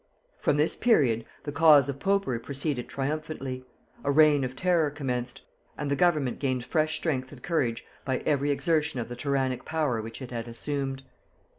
From this period the cause of popery proceeded triumphantly: a reign of terror commenced; and the government gained fresh strength and courage by every exertion of the tyrannic power which it had assumed.